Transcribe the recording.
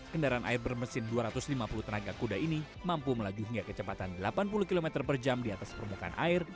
kendaraan air bermesin dua ratus lima puluh tenaga kuda ini mampu melaju hingga kecepatan delapan puluh km per jam di atas permukaan air